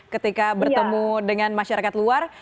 ketika bertemu dengan masyarakat luar